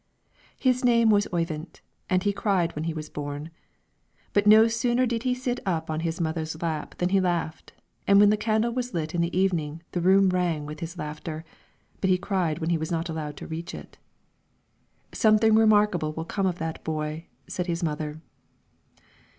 His name was Oyvind, and he cried when he was born. But no sooner did he sit up on his mother's lap than he laughed, and when the candle was lit in the evening the room rang with his laughter, but he cried when he was not allowed to reach it. "Something remarkable will come of that boy!" said the mother.